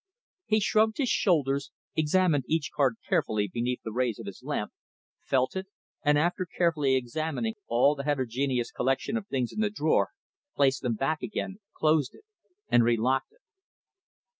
He shrugged his shoulders, examined each card carefully beneath the rays of his lamp, felt it, and after carefully examining all the heterogeneous collection of things in the drawer, placed them back again, closed it, and relocked it.